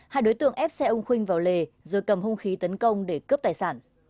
hai đối tượng ép xe ông khuynh vào lề rồi cầm hung khí tấn công để cướp tài sản